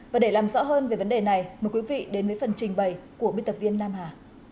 và để làm rõ hơn về vấn đề này mời quý vị đến với phần trình bày của biên tập viên nam hà